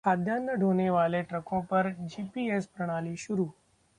खाद्यान्न ढोने वाले ट्रकों पर जीपीएस प्रणाली शुरू